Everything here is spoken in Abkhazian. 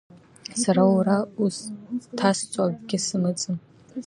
Сара уара узҭасҵо акгьы сымаӡам.